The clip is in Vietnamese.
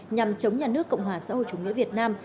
nhằm chống nhà nước cộng hòa xã hội chủ nghĩa việt nam